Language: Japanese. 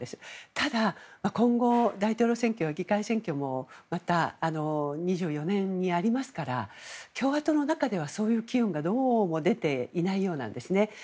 ただ、今後大統領選挙や議会選挙もまた２４年にありますから共和党の中では、そういう機運がどうも出ていないようなんです。